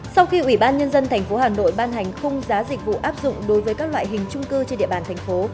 sau khi ủy ban nhân dân tp hà nội ban hành khung giá dịch vụ áp dụng đối với các loại hình trung cư trên địa bàn thành phố